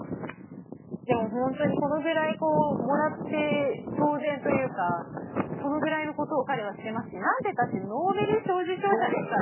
でも本当にこのぐらいもらって当然というかそのぐらいのことを彼はしてますし何てったってノーベル賞受賞者ですからね。